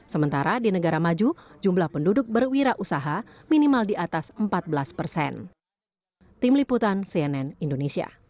sementara di negara maju jumlah penduduk berwirausaha minimal di atas empat belas persen